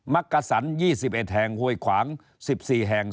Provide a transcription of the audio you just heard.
มักกระสันยี่สิบเอ็ดแห่งโหยขวางสิบสี่แห่ง